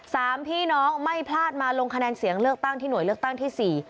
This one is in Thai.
สามพี่น้องไม่พลาดมาลงคะแนนเสียงเลือกตั้งที่หน่วยเลือกตั้งที่สี่